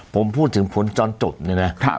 ผมพูดถึงผลจรจบนี่นะ